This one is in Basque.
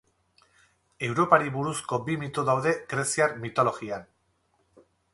Europari buruzko bi mito daude greziar mitologian.